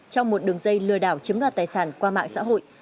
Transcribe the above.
trong một đường dây lừa đảo chiếm đoạt tài sản qua mạng xã hội